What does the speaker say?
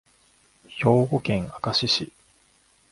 兵庫県明石市